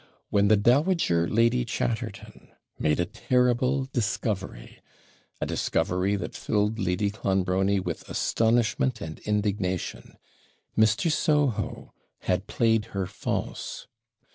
when the Dowager Lady Chatterton made a terrible discovery a discovery that filled Lady Clonbrony with astonishment and indignation Mr. Soho had played her false!